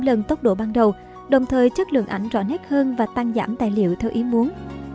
bốn trăm linh lần tốc độ ban đầu đồng thời chất lượng ảnh rõ nét hơn và tăng giảm tài liệu theo ý muốn